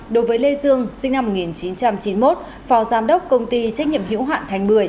đối với lê dương sinh năm một nghìn chín trăm chín mươi một phò giám đốc công ty trách nhiệm hiểu hoạn thành một mươi